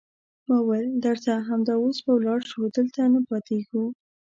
ما وویل: درځه، همدا اوس به ولاړ شو، دلته نه پاتېږو.